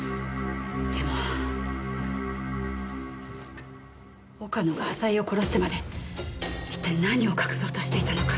でも岡野が浅井を殺してまで一体何を隠そうとしていたのか。